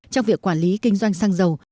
trong việc quản lý kinh doanh xăng dầu